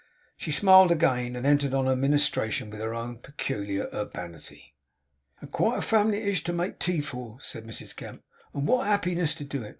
She smiled again, and entered on her ministration with her own particular urbanity. 'And quite a family it is to make tea for,' said Mrs Gamp; 'and wot a happiness to do it!